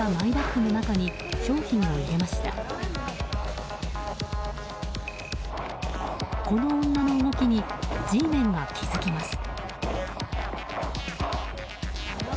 この女の動きにＧメンが気づきます。